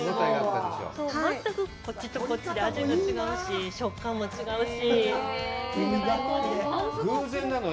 全くこっちとこっちで味が違うし食感も違うし偶然なの？